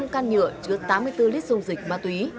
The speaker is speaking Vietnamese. năm can nhựa chứa tám mươi bốn lít dung dịch ma túy